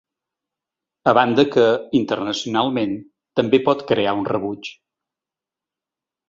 A banda que, internacionalment, també pot crear un rebuig.